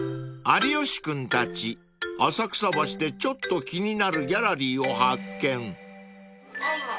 ［有吉君たち浅草橋でちょっと気になるギャラリーを発見］